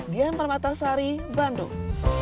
dian parmatasari bandung